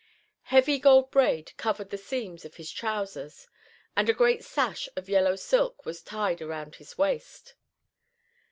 Heavy gold braid covered the seams of his trousers and a great sash of yellow silk was tied around his waist.